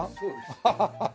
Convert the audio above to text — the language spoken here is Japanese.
ハハハハハ。